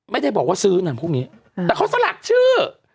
ไม่ได้บอกว่าซื้อนางพรุ่งนี้แต่เขาสลักชื่อ